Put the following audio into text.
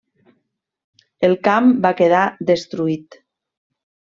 El camp va quedar destruït.